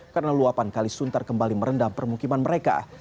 karena luapan kalisuntar kembali merendam permukiman mereka